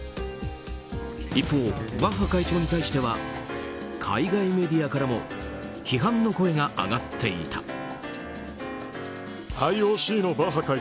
一方、バッハ会長に対しては海外メディアからも批判の声が上がっていた。